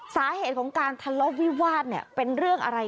สาเหตุของการทะเลาะวิวาสเนี่ยเป็นเรื่องอะไร